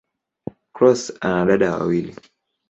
Cross ana dada wawili.